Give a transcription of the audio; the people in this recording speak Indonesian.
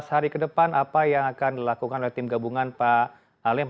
empat belas hari ke depan apa yang akan dilakukan oleh tim gabungan pak alim